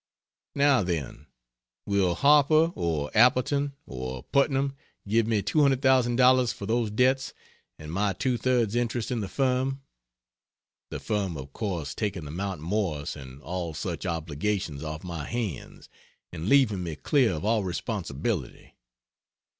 Now then, will Harper or Appleton, or Putnam give me $200,000 for those debts and my two thirds interest in the firm? (The firm of course taking the Mount Morris and all such obligations off my hands and leaving me clear of all responsibility.)